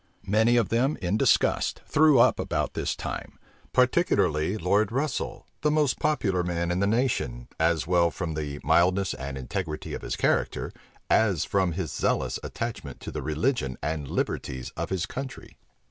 Many of them in disgust threw up about this time; particularly Lord Russel, the most popular man in the nation, as well from the mildness and integrity of his character, as from his zealous attachment to the religion and liberties of his country.